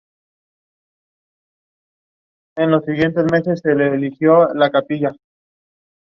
Es de resaltar su fuerte olor a ajo.